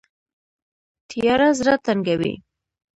تیاره زړه تنګوي